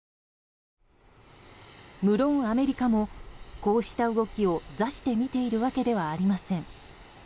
むろんアメリカもこうした動きを座して見ているわけではありません。